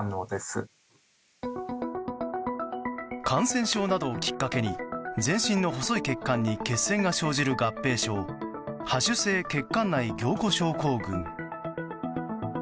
感染症などをきっかけに全身の細い血管に血栓が生じる合併症播種性血管内凝固症候群。